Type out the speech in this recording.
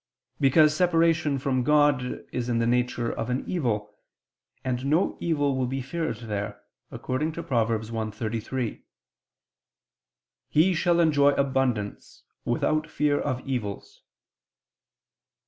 Because separation from God is in the nature of an evil: and no evil will be feared there, according to Prov. 1:33: "He ... shall enjoy abundance without fear of evils."